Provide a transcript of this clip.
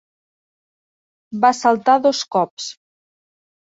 Va saltar dos cops.